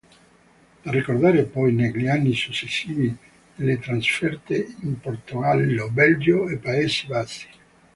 Da ricordare poi negli anni successivi le trasferte in Portogallo, Belgio e Paesi Bassi.